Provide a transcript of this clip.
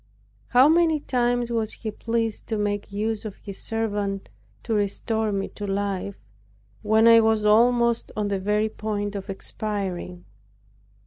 How many times was He pleased to make use of His servant to restore me to life, when I was almost on the very point of expiring!